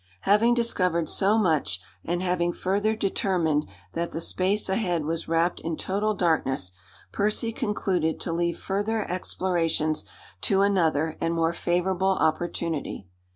Having discovered so much, and having further determined that the space ahead was wrapped in total darkness, Percy concluded to leave further explorations to another and more favorable opportunity.